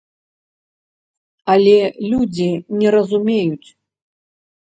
Але людзі не разумеюць.